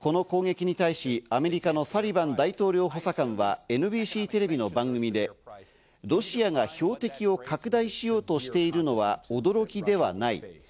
この攻撃に対しアメリカのサリバン大統領補佐官はＮＢＣテレビの番組で、ロシアが標的を拡大しようとしているのは驚きではない。